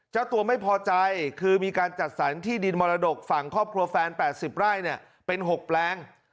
เจ้าตัวไม่พอใจคือมีการจัดสรรที่ดินมรดกฝั่งครอบครัวแฟน๘๐ไร่เป็น๖แปลง